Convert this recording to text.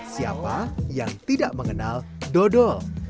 siapa yang tidak mengenal dodol